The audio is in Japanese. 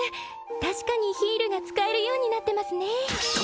確かにヒールが使えるようになってますね